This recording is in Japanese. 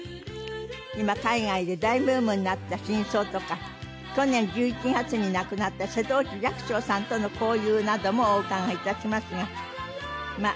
今海外で大ブームになった真相とか去年１１月に亡くなった瀬戸内寂聴さんとの交流などもお伺いいたしますが。